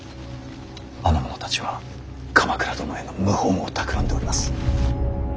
あの者たちは鎌倉殿への謀反をたくらんでおります。